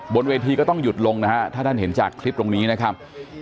บนเวทีก็ต้องหยุดลงนะฮะถ้าท่านเห็นจากคลิปตรงนี้นะครับ